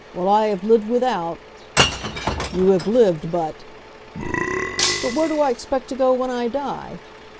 Well, I have lived without " "You have lived, but " "But where do I expect to go when I die?